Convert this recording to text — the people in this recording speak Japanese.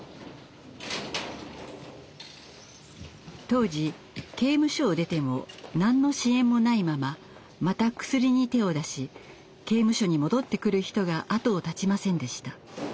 当時刑務所を出ても何の支援もないまままたクスリに手を出し刑務所に戻ってくる人が後を絶ちませんでした。